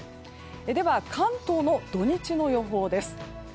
では関東の土日の予報です。